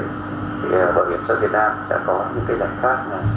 thì quý bảo hiểm thất nghiệp việt nam đã có những giải pháp